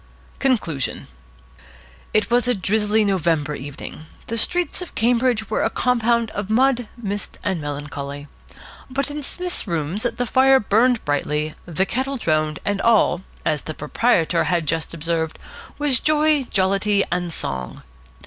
CONCLUSION IT was a drizzly November evening. The streets of Cambridge were a compound of mud, mist, and melancholy. But in Psmith's rooms the fire burned brightly, the kettle droned, and all, as the proprietor had just observed, was joy, jollity, and song.